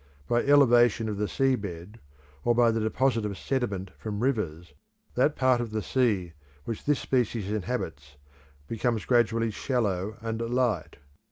By elevation of the sea bed, or by the deposit of sediment from rivers, that part of the sea which this species inhabits becomes gradually shallow and light.